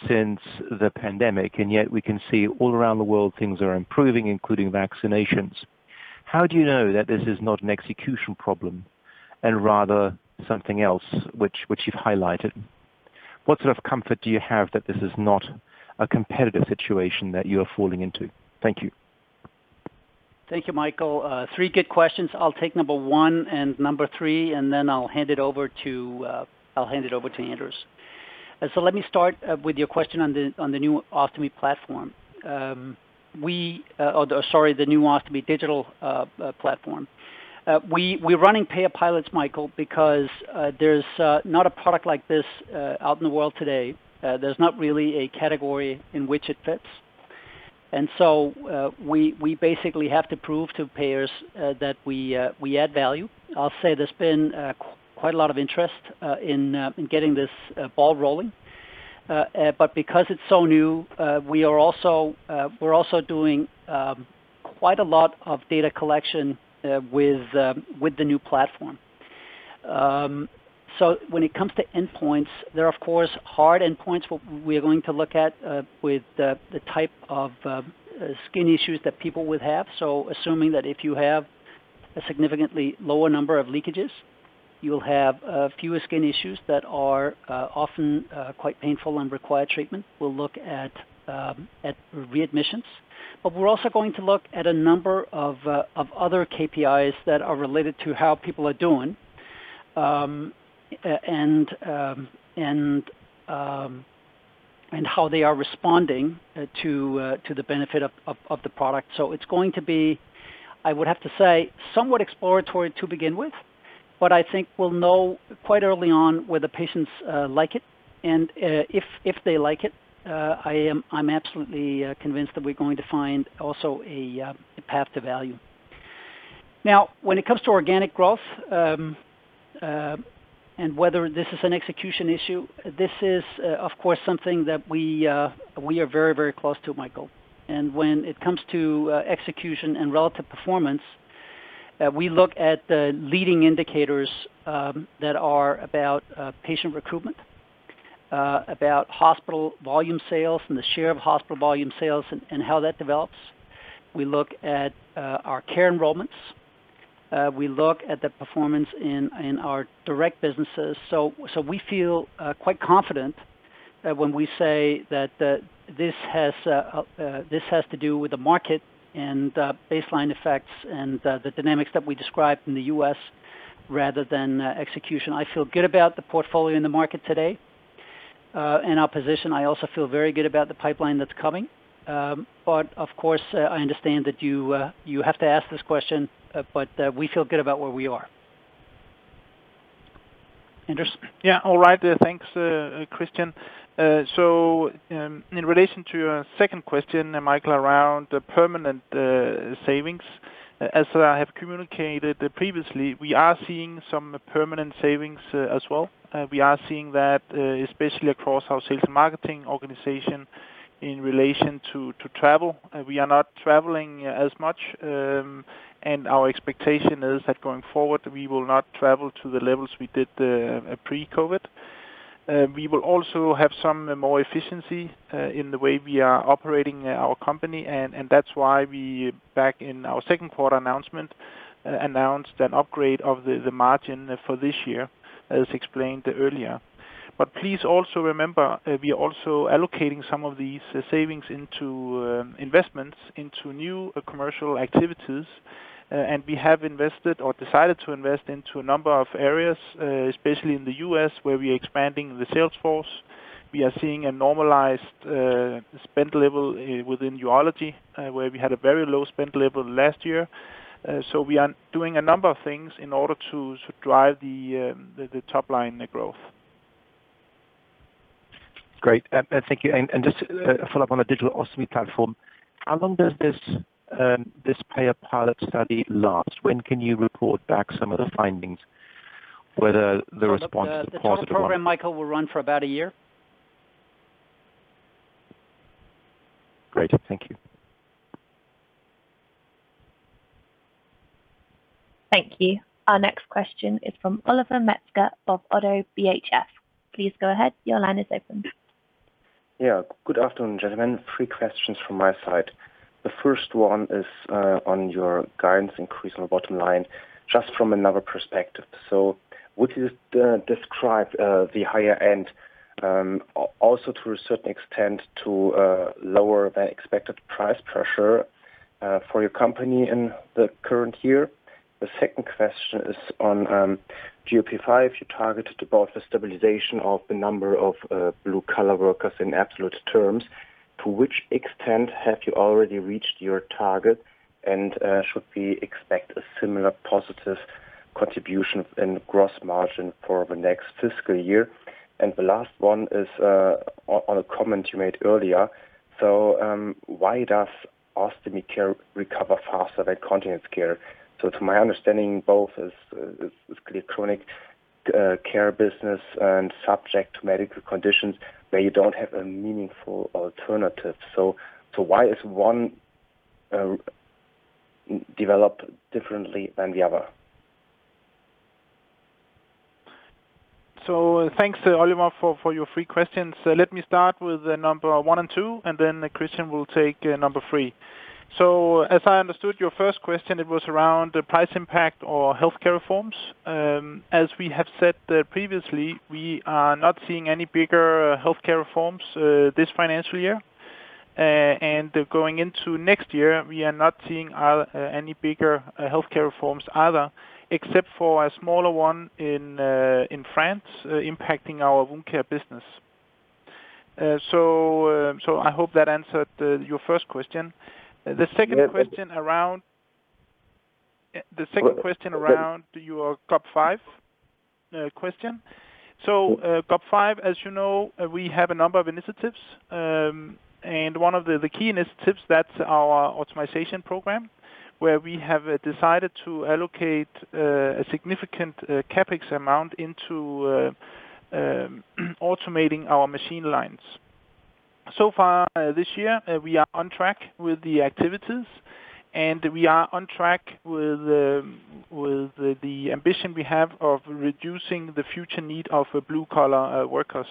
since the pandemic, and yet we can see all around the world things are improving, including vaccinations. How do you know that this is not an execution problem and rather something else, which you've highlighted? What sort of comfort do you have that this is not a competitive situation that you are falling into? Thank you. Thank you, Michael. Three good questions. I'll take number one and number three, and then I'll hand it over to Anders. Let me start with your question on the new ostomy platform. Sorry, the new ostomy digital platform. We're running payer pilots, Michael, because there's not a product like this out in the world today. There's not really a category in which it fits. We basically have to prove to payers that we add value. I'll say there's been quite a lot of interest in getting this ball rolling. Because it's so new, we're also doing quite a lot of data collection with the new platform. When it comes to endpoints, there are, of course, hard endpoints we are going to look at with the type of skin issues that people would have. Assuming that if you have a significantly lower number of leakages, you will have fewer skin issues that are often quite painful and require treatment. We'll look at readmissions. We're also going to look at a number of other KPIs that are related to how people are doing and how they are responding to the benefit of the product. It's going to be, I would have to say, somewhat exploratory to begin with, but I think we'll know quite early on whether patients like it. If they like it, I'm absolutely convinced that we're going to find also a path to value. Now, when it comes to organic growth, and whether this is an execution issue, this is, of course, something that we are very, very close to, Michael. When it comes to execution and relative performance, we look at the leading indicators that are about patient recruitment, about hospital volume sales and the share of hospital volume sales and how that develops. We look at our care enrollments. We look at the performance in our direct businesses. We feel quite confident when we say that this has to do with the market and baseline effects and the dynamics that we described in the U.S. rather than execution. I feel good about the portfolio in the market today, and our position. I also feel very good about the pipeline that's coming. Of course, I understand that you have to ask this question, but we feel good about where we are. Anders. Yeah. All right. Thanks, Kristian. In relation to your second question, Michael, around the permanent savings, as I have communicated previously, we are seeing some permanent savings as well. We are seeing that especially across our sales and marketing organization in relation to travel. We are not traveling as much, and our expectation is that going forward, we will not travel to the levels we did pre-COVID. We will also have some more efficiency in the way we are operating our company, and that's why we, back in our second quarter announcement, announced an upgrade of the margin for this year as explained earlier. Please also remember, we are also allocating some of these savings into investments into new commercial activities. We have invested or decided to invest into a number of areas, especially in the U.S., where we are expanding the sales force. We are seeing a normalized spend level within urology, where we had a very low spend level last year. We are doing a number of things in order to drive the top-line growth. Great. Thank you. Just a follow-up on the digital ostomy platform. How long does this payer pilot study last? When can you report back some of the findings whether the response is positive or not? The total program, Michael, will run for about a year. Great. Thank you. Thank you. Our next question is from Oliver Metzger of Oddo BHF. Please go ahead. Your line is open. Good afternoon, gentlemen. Three questions from my side. The first one is on your guidance increase on the bottom line, just from another perspective. Would you describe the higher end, also to a certain extent, to lower than expected price pressure for your company in the current year? The second question is on GOP 5, you targeted about the stabilization of the number of blue-collar workers in absolute terms. To which extent have you already reached your target, and should we expect a similar positive contribution in gross margin for the next fiscal year? The last one is on a comment you made earlier. Why does ostomy care recover faster than continence care? To my understanding, both is chronic care business and subject to medical conditions where you don't have a meaningful alternative. Why is one developed differently than the other? Thanks, Oliver, for your three questions. Let me start with number one and two, Kristian will take number three. As I understood your first question, it was around the price impact or healthcare reforms. As we have said previously, we are not seeing any bigger healthcare reforms this financial year. Going into next year, we are not seeing any bigger healthcare reforms either, except for a smaller one in France impacting our wound care business. I hope that answered your first question. The second question around your GOP 5 question. GOP 5, as you know, we have a number of initiatives. One of the key initiatives, that's our optimization program, where we have decided to allocate a significant CapEx amount into automating our machine lines. Far this year, we are on track with the activities, and we are on track with the ambition we have of reducing the future need of blue-collar workers.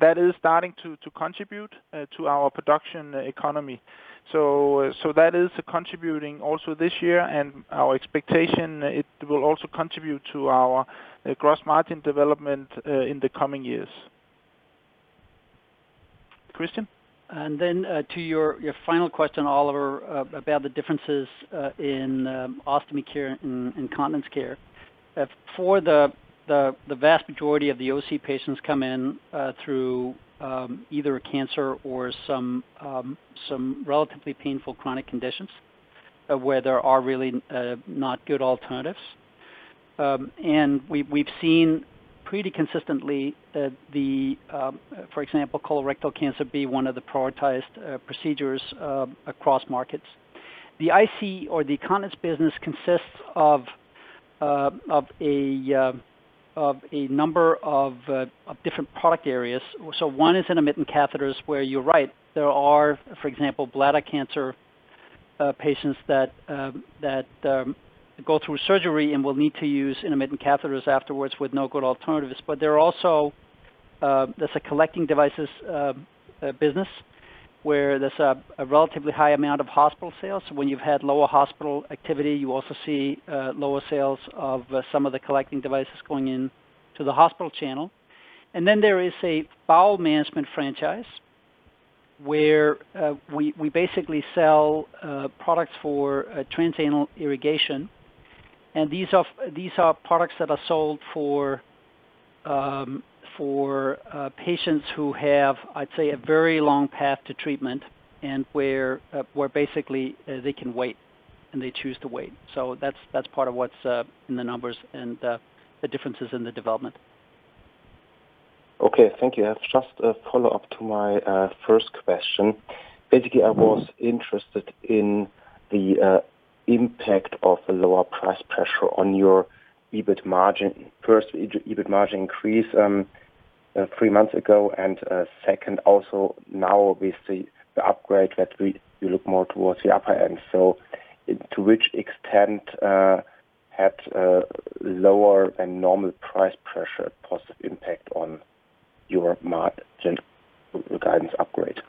That is starting to contribute to our production economy. That is contributing also this year, and our expectation, it will also contribute to our gross margin development in the coming years. Kristian? To your final question, Oliver, about the differences in ostomy care and incontinence care. For the vast majority of the OC patients come in through either a cancer or some relatively painful chronic conditions where there are really not good alternatives. We've seen pretty consistently that, for example, colorectal cancer be one of the prioritized procedures across markets. The IC or the incontinence business consists of a number of different product areas. One is intermittent catheters where you're right, there are, for example, bladder cancer patients that go through surgery and will need to use intermittent catheters afterwards with no good alternatives. There are also, there's a collecting devices business where there's a relatively high amount of hospital sales. When you've had lower hospital activity, you also see lower sales of some of the collecting devices going into the hospital channel. There is a bowel management franchise where we basically sell products for transanal irrigation. These are products that are sold for patients who have, I'd say, a very long path to treatment and where basically they can wait, and they choose to wait. That's part of what's in the numbers and the differences in the development. Okay. Thank you. Just a follow-up to my first question. Basically, I was interested in the impact of the lower price pressure on your EBIT margin. First, EBIT margin increase three months ago, and second, also now we see the upgrade that we look more towards the upper end. To which extent had lower than normal price pressure positive impact on your margin guidance upgrade?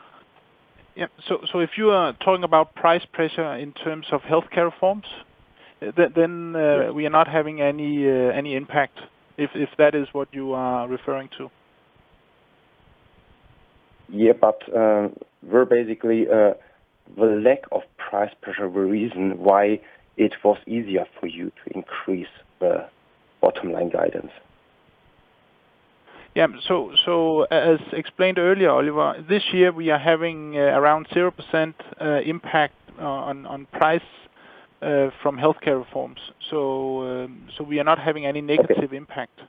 Yeah. If you are talking about price pressure in terms of healthcare reforms, we are not having any impact if that is what you are referring to. Yeah, were basically the lack of price pressure the reason why it was easier for you to increase the bottom-line guidance? As explained earlier, Oliver, this year we are having around 0% impact on price from healthcare reforms. We are not having any negative impact.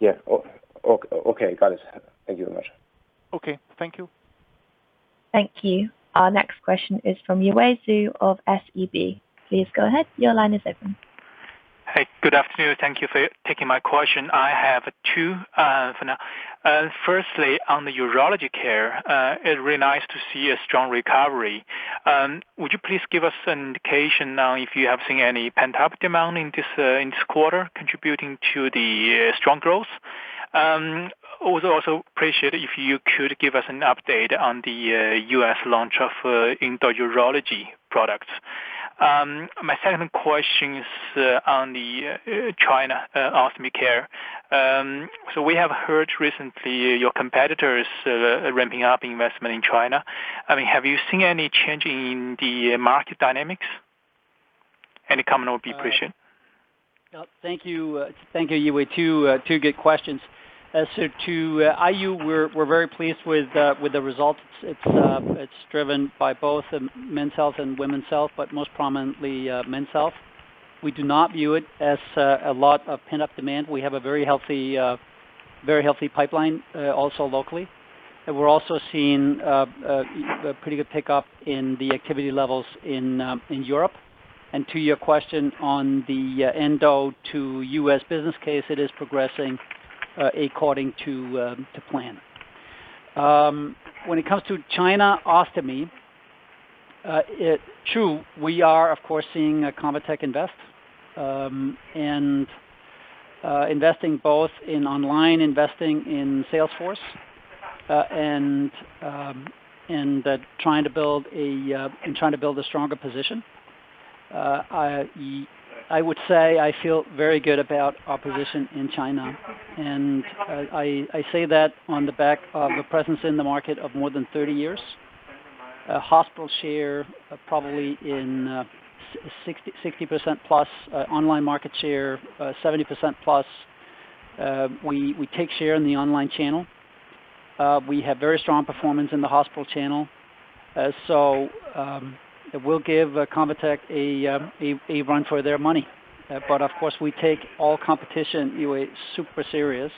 Yeah. Okay, got it. Thank you very much. Okay, thank you. Thank you. Our next question is from Yuwei Xu of SEB. Please go ahead. Your line is open. Hi. Good afternoon. Thank you for taking my question. I have two for now. Firstly, on the urology care, it's really nice to see a strong recovery. Would you please give us an indication now if you have seen any pent-up demand in this quarter contributing to the strong growth? Would also appreciate if you could give us an update on the U.S. launch of endourology products. My second question is on the China ostomy care. We have heard recently your competitor is ramping up investment in China. Have you seen any change in the market dynamics? Any comment would be appreciated. Thank you, Yuwei. Two good questions. To IU, we're very pleased with the results. It's driven by both Men's Health and Women's Health, but most prominently Men's Health. We do not view it as a lot of pent-up demand. We have a very healthy pipeline also locally. We're also seeing a pretty good pickup in the activity levels in Europe. To your question on the endo to U.S. business case, it is progressing according to plan. When it comes to China ostomy, true, we are of course seeing Convatec invest, investing both in online, investing in sales force, and trying to build a stronger position. I would say I feel very good about our position in China, and I say that on the back of a presence in the market of more than 30 years. Hospital share probably in 60%+ online market share, 70%+. We take share in the online channel. We have very strong performance in the hospital channel. It will give Convatec a run for their money. Of course, we take all competition super serious,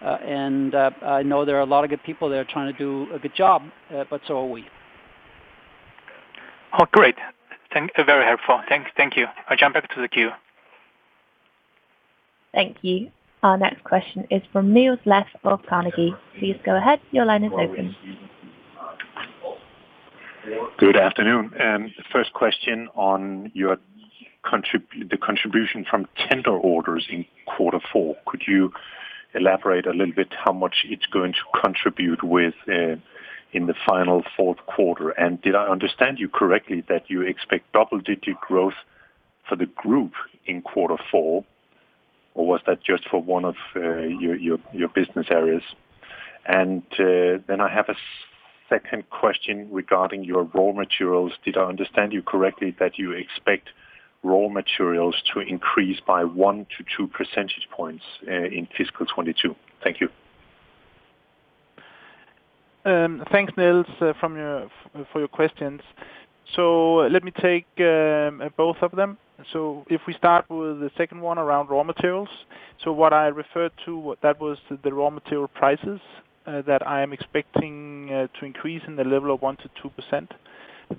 and I know there are a lot of good people that are trying to do a good job, but so are we. Oh, great. Very helpful. Thank you. I jump back to the queue. Thank you. Our next question is from Niels Granholm-Leth of Carnegie. Please go ahead. Your line is open. Good afternoon. First question on the contribution from tender orders in quarter four. Could you elaborate a little bit how much it is going to contribute with in the final fourth quarter? Did I understand you correctly that you expect double-digit growth for the group in quarter four, or was that just for one of your business areas? I have a second question regarding your raw materials. Did I understand you correctly that you expect raw materials to increase by 1 to 2 percentage points in fiscal 2022? Thank you. Thanks, Niels, for your questions. Let me take both of them. If we start with the second one around raw materials, what I referred to, that was the raw material prices that I am expecting to increase in the level of 1%-2%.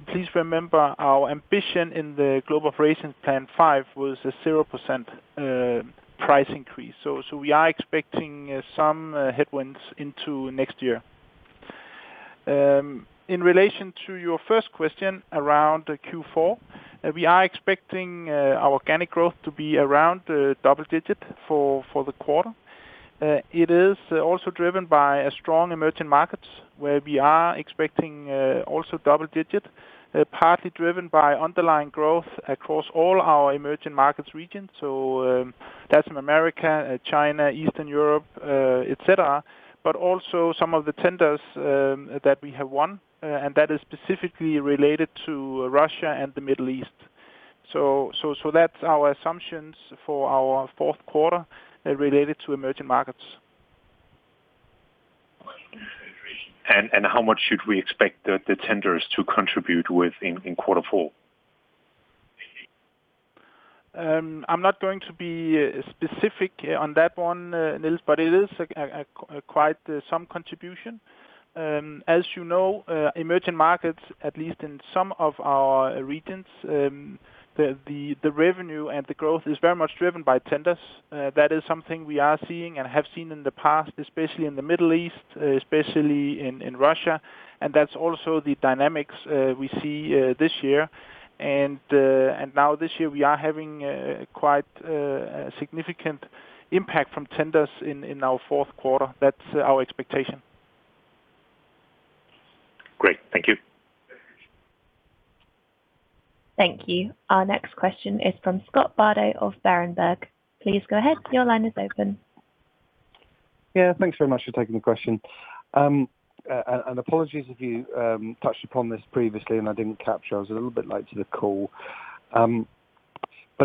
Please remember, our ambition in the Global Operations Plan 5 was a 0% price increase. We are expecting some headwinds into next year. In relation to your first question around Q4, we are expecting our organic growth to be around double-digit for the quarter. It is also driven by strong emerging markets, where we are expecting also double-digit, partly driven by underlying growth across all our emerging markets regions. Latin America, China, Eastern Europe, et cetera, but also some of the tenders that we have won, and that is specifically related to Russia and the Middle East. That's our assumptions for our fourth quarter related to emerging markets. How much should we expect the tenders to contribute with in quarter four? I'm not going to be specific on that one, Niels, but it is quite some contribution. As you know, emerging markets, at least in some of our regions, the revenue and the growth is very much driven by tenders. That is something we are seeing and have seen in the past, especially in the Middle East, especially in Russia. That's also the dynamics we see this year. Now this year, we are having quite a significant impact from tenders in our fourth quarter. That's our expectation. Great. Thank you. Thank you. Our next question is from Scott Bardo of Berenberg. Please go ahead. Yeah, thanks very much for taking the question. Apologies if you touched upon this previously and I didn't capture. I was a little bit late to the call.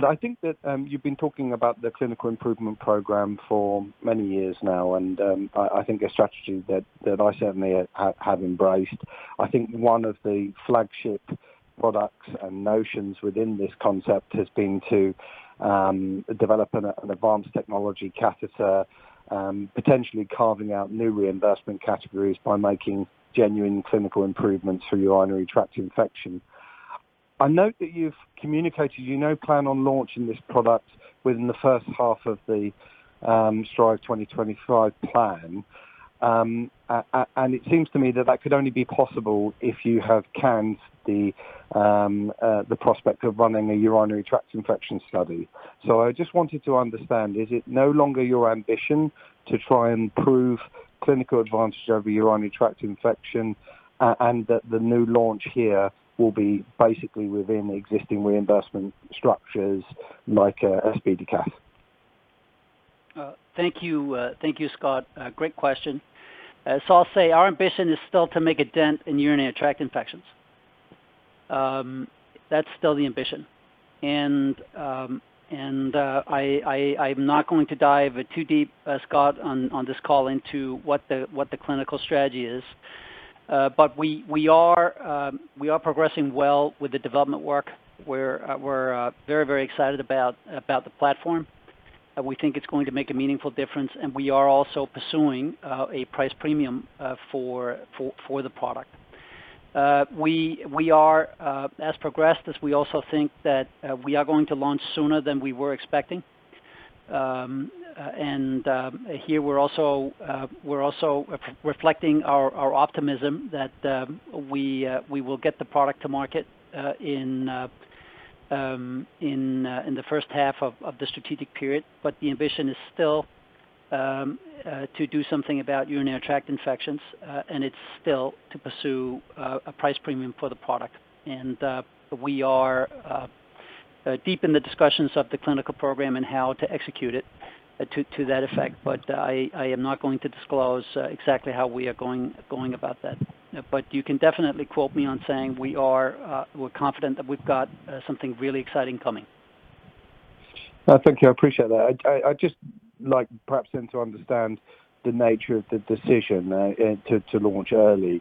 I think that you've been talking about the clinical improvement program for many years now, and I think a strategy that I certainly have embraced. I think one of the flagship products and notions within this concept has been to develop an advanced technology catheter, potentially carving out new reimbursement categories by making genuine clinical improvements for urinary tract infection. I note that you've communicated you now plan on launching this product within the 1st half of the Strive25 plan. It seems to me that that could only be possible if you have canned the prospect of running a urinary tract infection study. I just wanted to understand, is it no longer your ambition to try and prove clinical advantage over urinary tract infection, and that the new launch here will be basically within the existing reimbursement structures like SpeediCath? Thank you, Scott. Great question. I'll say our ambition is still to make a dent in urinary tract infections. That's still the ambition. I'm not going to dive too deep, Scott, on this call into what the clinical strategy is. We are progressing well with the development work. We're very excited about the platform. We think it's going to make a meaningful difference, and we are also pursuing a price premium for the product. We are as progressed as we also think that we are going to launch sooner than we were expecting. Here we're also reflecting our optimism that we will get the product to market in the first half of the strategic period. The ambition is still to do something about urinary tract infections, and it's still to pursue a price premium for the product. We are deep in the discussions of the clinical program and how to execute it to that effect. I am not going to disclose exactly how we are going about that. You can definitely quote me on saying we're confident that we've got something really exciting coming. Thank you. I appreciate that. I'd just like perhaps then to understand the nature of the decision to launch early.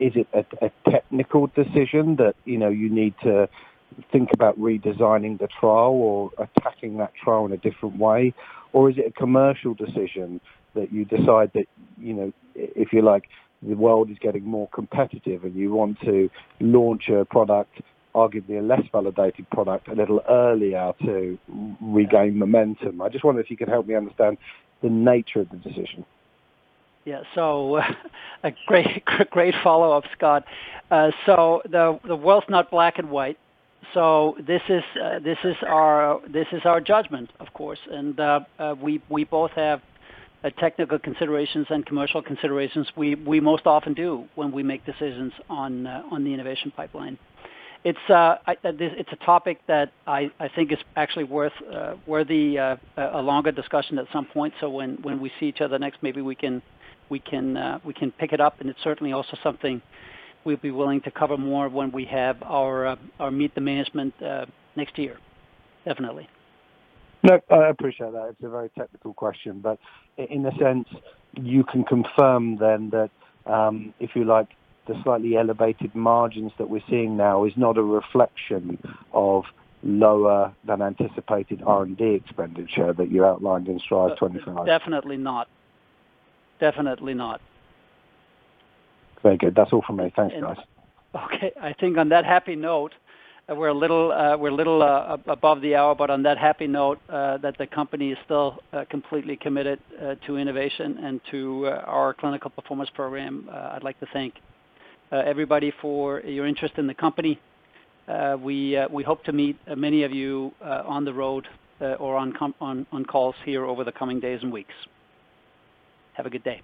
Is it a technical decision that you need to think about redesigning the trial or attacking that trial in a different way? Or is it a commercial decision that you decide that, if you like, the world is getting more competitive and you want to launch a product, arguably a less validated product, a little earlier to regain momentum? I just wonder if you could help me understand the nature of the decision. Yeah. A great follow-up, Scott. The world's not black and white. This is our judgment, of course, and we both have technical considerations and commercial considerations. We most often do when we make decisions on the innovation pipeline. It's a topic that I think is actually worthy a longer discussion at some point. When we see each other next, maybe we can pick it up, and it's certainly also something we'd be willing to cover more when we have our Meet the Management next year. Definitely No, I appreciate that. In a sense, you can confirm then that, if you like, the slightly elevated margins that we're seeing now is not a reflection of lower than anticipated R&D expenditure that you outlined in Strive25. Definitely not. Very good. That's all from me. Thanks, guys. Okay. I think on that happy note, we are a little above the hour, but on that happy note that the company is still completely committed to innovation and to our clinical performance program. I would like to thank everybody for your interest in the company. We hope to meet many of you on the road or on calls here over the coming days and weeks. Have a good day.